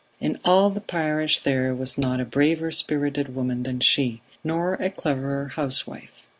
"In all the parish there was not a braver spirited woman than she, nor a cleverer housewife.